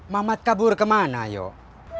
mamat kabur kemana yuk